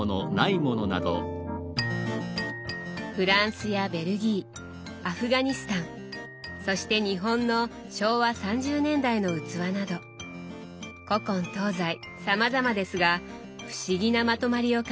フランスやベルギーアフガニスタンそして日本の昭和３０年代の器など古今東西さまざまですが不思議なまとまりを感じます。